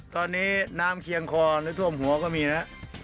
ตอนนี้น้ำเคียงคอหรือท่วมหัวก็มีนะ